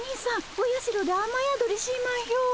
おやしろで雨宿りしまひょう。